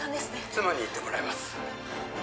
妻に行ってもらいます